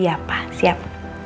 iya pak siap